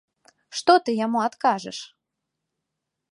Што ты яму адкажаш?